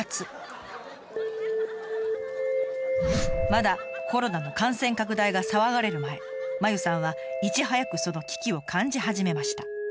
まだコロナの感染拡大が騒がれる前まゆさんはいち早くその危機を感じ始めました。